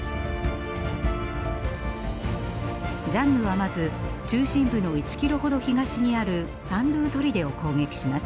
ジャンヌはまず中心部の１キロほど東にあるサン・ルー砦を攻撃します。